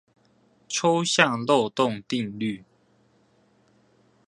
抽象漏洞定律